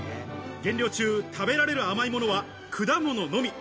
減量中、食べられる甘いものは果物のみ。